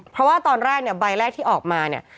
เพราะว่าตอนแรกเนี่ยใบแรกที่ออกมาเนี่ย